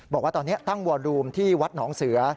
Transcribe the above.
บอกว่าตอนนี้ตั้งวอลูมที่วัดหนองเสือ